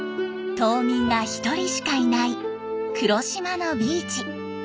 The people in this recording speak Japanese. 島民が１人しかいない黒島のビーチ。